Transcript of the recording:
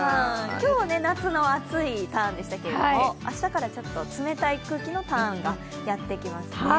今日、天気の夏の暑いターンでしたけど明日からちょっと冷たい空気のターンがやってきますね。